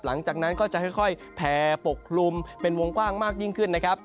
หลังจากนั้นก็จะค่อยแผ่ปกคลุมเป็นวงกว้างมากยิ่งขึ้นนะครับ